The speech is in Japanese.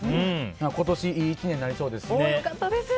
今年いい１年になりそうですね。